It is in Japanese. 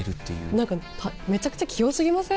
何かめちゃくちゃ器用過ぎません？